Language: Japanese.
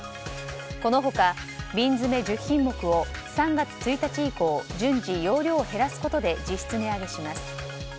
この他、瓶詰１０品目を３月１日以降、順次容量を減らすことで実質値上げします。